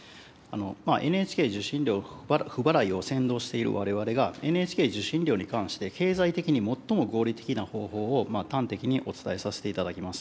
ＮＨＫ受信料不払いを扇動しているわれわれがＮＨＫ受信料に関して、経済的に最も合理的な方法を端的にお伝えさせていただきます。